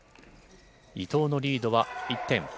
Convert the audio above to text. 伊藤のリードは１点。